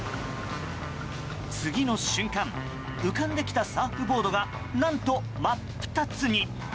次の瞬間浮かんできたサーフボードが何と、真っ二つに。